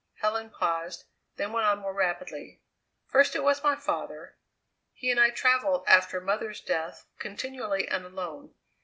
Helen paused, then went on more rapidly: "First it was my father. He and I travelled after mother's death continually, and alone.